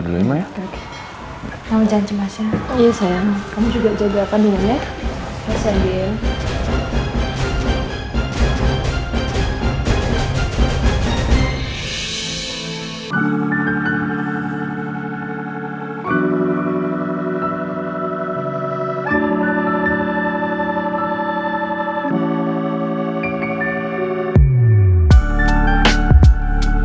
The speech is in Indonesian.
terima kasih mas anasih